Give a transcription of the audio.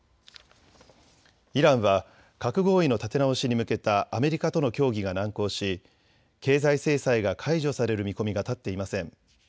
イランは核合意の立て直しに向けたアメリカとの協議が難航し経済制裁が解除される見込みが立っていません。